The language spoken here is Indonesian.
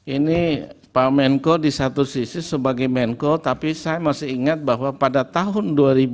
ini pak menko di satu sisi sebagai menko tapi saya masih ingat bahwa pada tahun dua ribu dua